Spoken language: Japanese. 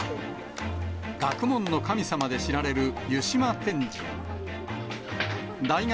学問の神様で知られる湯島天神。